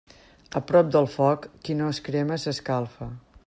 A prop del foc, qui no es crema, s'escalfa.